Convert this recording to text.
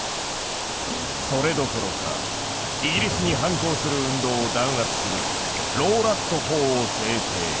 それどころかイギリスに反抗する運動を弾圧するローラット法を制定。